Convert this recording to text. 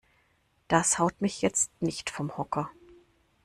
Das haut mich jetzt nicht vom Hocker.